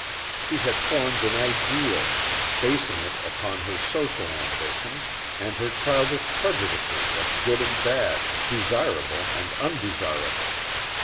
She had formed an ideal, basing it upon her social ambitions and her childish prejudices of good and bad, desirable and undesirable.